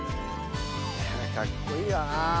かっこいいよな。